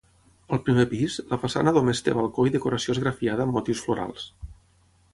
Al primer pis, la façana només té balcó i decoració esgrafiada amb motius florals.